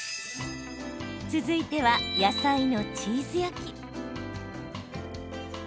続いては、野菜のチーズ焼き。